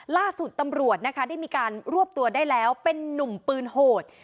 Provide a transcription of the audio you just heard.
ล่าสุดตำรวจนะคะได้มีการรวบตัวได้แล้วเป็นนุ่มปืนโหด